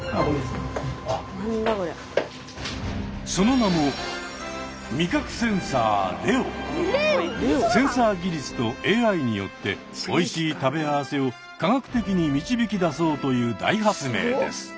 その名もセンサー技術とＡＩによっておいしい「食べ合わせ」を科学的に導き出そうという大発明です。